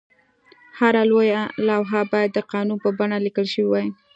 هره لوحه باید د قانون په بڼه لیکل شوې وای.